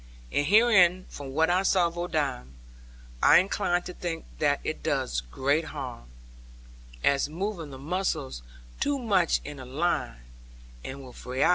And herein, from what I saw of Odam, I incline to think that it does great harm; as moving the muscles too much in a line, and without variety.